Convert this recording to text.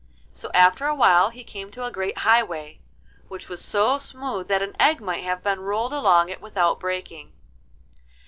So after a while he came to a great highway, which was so smooth that an egg might have been rolled along it without breaking.